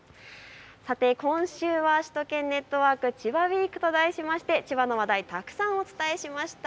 さて今週は首都圏ネットワーク、千葉ウイークと題して千葉の話題をたくさんお届けしてきました。